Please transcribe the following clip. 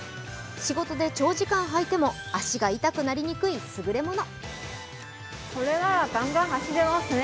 仕事で長時間履いても足が痛くなりにくい優れもの。